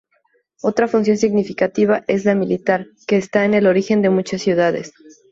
Otra función significativa es la militar, que está en el origen de muchas ciudades.